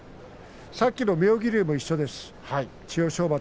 さっきの妙義龍も一緒です。